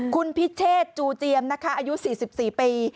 คุณพิเชษจูเจียมนะคะอายุ๔๔ปี